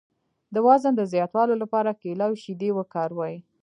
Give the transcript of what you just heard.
د وزن د زیاتولو لپاره کیله او شیدې وکاروئ